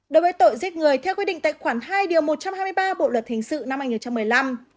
đối với tội giết người theo quy định tệ khoản hai điều một trăm hai mươi ba bộ luật hình sự năm hai nghìn một mươi năm